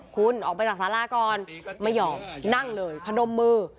คุณออกไปจากสาราก่อนไม่ยอมนั่งเลยพนมมือ